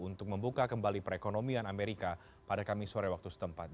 untuk membuka kembali perekonomian amerika pada kamis sore waktu setempat